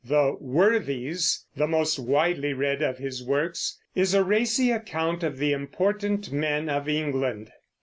The Worthies, the most widely read of his works, is a racy account of the important men of England.